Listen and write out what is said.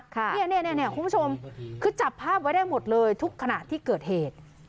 คุณผู้ชมคือจับภาพไว้ได้หมดเลยทุกขณะที่เกิดเหตุ